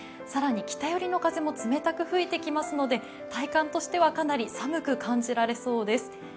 更に北寄りの風も冷たく吹いてきますので体感としては、かなり寒く感じられそうです。